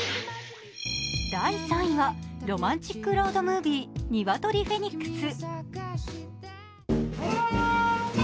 第３位はロマンチックロードムービー「ニワトリ☆フェニックス」